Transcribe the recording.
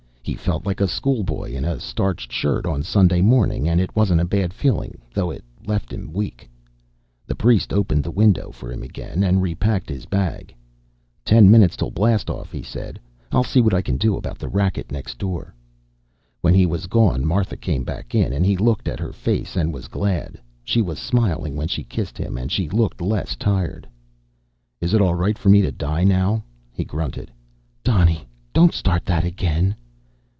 He felt like a schoolboy in a starched shirt on Sunday morning, and it wasn't a bad feeling, though it left him weak. The priest opened the window for him again, and repacked his bag. "Ten minutes till blast off," he said. "I'll see what I can do about the racket next door." When he was gone, Martha came back in, and he looked at her face and was glad. She was smiling when she kissed him, and she looked less tired. "Is it all right for me to die now?" he grunted. "Donny, don't start that again."